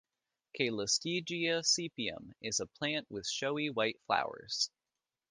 "Calystegia sepium" is a plant with showy white flowers.